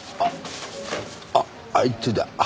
ああいつだ。